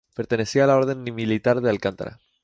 Pertenecía a la Orden militar de Alcántara.